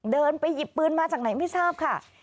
เดินไปหยิบปืนมาจากไหนไม่ทราบค่ะ